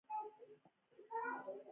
د دیوال رنګ ژیړ شوی و.